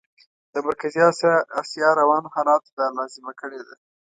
د مرکزي اسیا روانو حالاتو دا لازمه کړې ده.